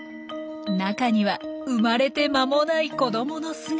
中には生まれて間もない子どもの姿が。